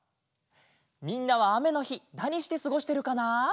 みんなはあめのひなにしてすごしてるかな？